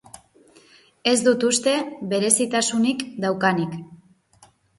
Ez dut uste berezitasunik daukanik.